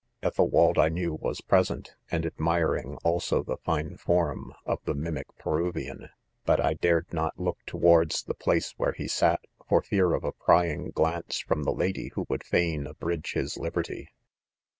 € Ethelwald, I knew, .was present, and admi ling also the fine form of the mimic Peruvian 5 but 1 dared not look towards the place where lie sat, for fear of a prying glaneefrpm the la dy who 'would fain abridge his liberty.